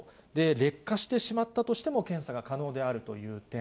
劣化してしまったとしても検査が可能であるという点。